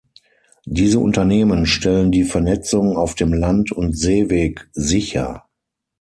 Diese Unternehmen stellen die Vernetzung auf dem Land- und Seeweg sicher.